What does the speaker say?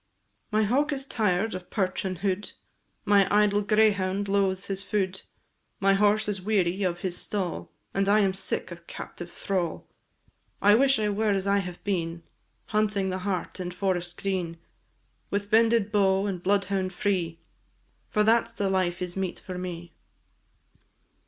My hawk is tired of perch and hood, My idle greyhound loathes his food, My horse is weary of his stall, And I am sick of captive thrall; I wish I were as I have been, Hunting the hart in forest green, With bended bow and bloodhound free, For that 's the life is meet for me.